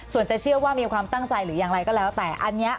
ส่วนจะเชื่อว่ามีความตั้งใจหรืออย่างไรก็แล้วแต่อันนี้